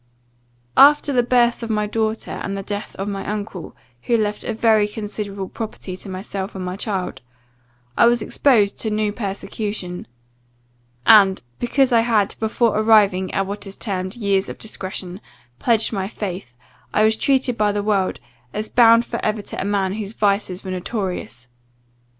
After the birth of my daughter, and the death of my uncle, who left a very considerable property to myself and child, I was exposed to new persecution; and, because I had, before arriving at what is termed years of discretion, pledged my faith, I was treated by the world, as bound for ever to a man whose vices were notorious.